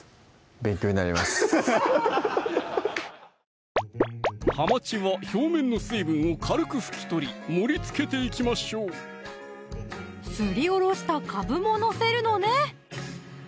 勉強になりますはまちは表面の水分を軽く拭き取り盛りつけていきましょうすりおろしたかぶも載せるのね